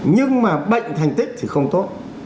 nhưng mà bệnh thành tích thì không tốt